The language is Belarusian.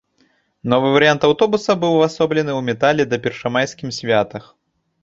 Новы варыянт аўтобуса быў увасоблены ў метале да першамайскім святах.